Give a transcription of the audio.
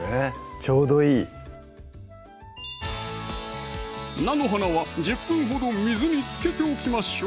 ちょうどいい菜の花は１０分ほど水につけておきましょう